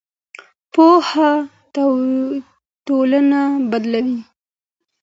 پوهه ټولنه بدلوي.